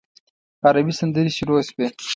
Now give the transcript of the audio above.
عربي سندرې شروع شوې.